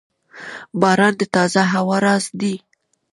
• باران د تازه هوا راز دی.